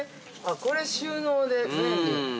これ、収納で便利。